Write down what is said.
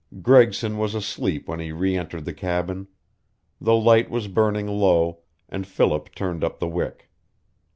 Gregson was asleep when he re entered the cabin. The light was burning low, and Philip turned up the wick.